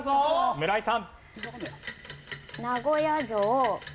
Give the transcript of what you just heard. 村井さん。